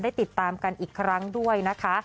ติดตามกันอีกครั้งด้วยนะคะ